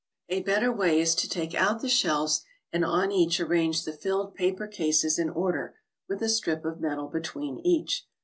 A better way is to take out the shelves, and on each arrange the filled paper cases in order, with a strip of metal between each.